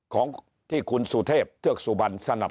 ของที่คุณสุเทพเทือกสุบันสนับ